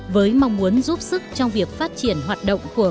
với mong muốn giúp sức trong việc phát triển hoạt động của